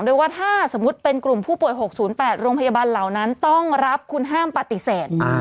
โดยว่าถ้าสมมุติเป็นกลุ่มผู้ป่วย๖๐๘โรงพยาบาลเหล่านั้นต้องรับคุณห้ามปฏิเสธ